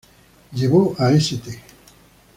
Llevó a St.